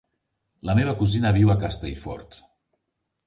La meva cosina viu a Castellfort.